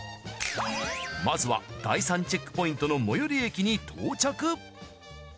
まずは第３チェックポイントの最寄り駅に到着。